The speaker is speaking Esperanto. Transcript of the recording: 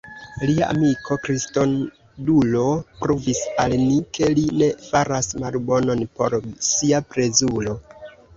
Lia amiko Kristodulo pruvis al ni, ke li ne faras malbonon por sia plezuro.